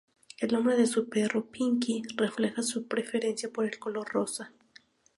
El nombre de su perro, Pinky, refleja su preferencia por el color rosa.